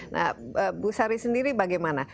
nah bu sari sendiri bagaimana